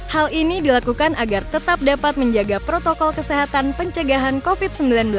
hal ini dilakukan agar tetap dapat menjaga protokol kesehatan pencegahan covid sembilan belas